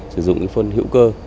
sử dụng phân hữu cơ